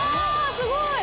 すごい！